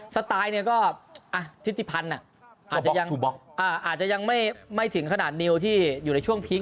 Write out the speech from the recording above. สไตล์ก็ทิศติภัณฑ์อ่ะอาจจะยังไม่ถึงขนาดนิวที่อยู่ในช่วงพีค